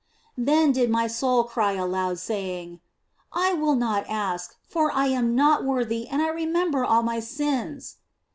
Then did my soul cry aloud, saying, " I will not ask, for I am not worthy and I remember all my sins